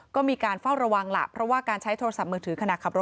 ก็มีการเฝ้าระวังล่ะเพราะว่าการใช้โทรศัพท์มือถือขณะขับรถ